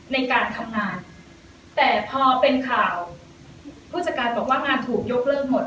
ในการทำงานแต่พอเป็นข่าวผู้จัดการบอกว่างานถูกยกเลิกหมด